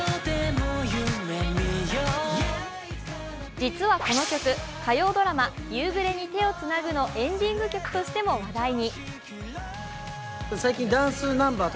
実はこの曲、火曜ドラマ「夕暮れに、手をつなぐ」のエンディング曲としても話題に。